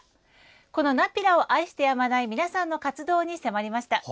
このナピラを愛してやまない皆さんの活動に迫りました。